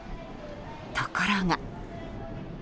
ところが。